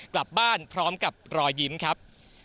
กลับบ้านพร้อมกับรอยยิ้มครับ